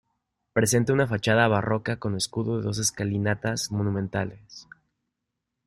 Presenta una fachada barroca con escudo y dos escalinatas monumentales.